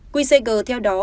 quy sager theo đó